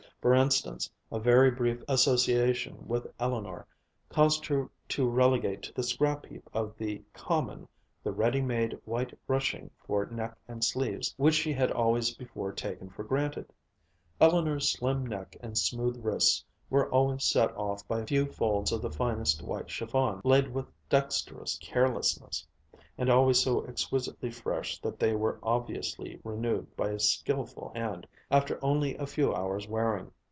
For instance, a very brief association with Eleanor caused her to relegate to the scrapheap of the "common" the ready made white ruching for neck and sleeves which she had always before taken for granted. Eleanor's slim neck and smooth wrists were always set off by a few folds of the finest white chiffon, laid with dexterous carelessness, and always so exquisitely fresh that they were obviously renewed by a skilful hand after only a few hours' wearing.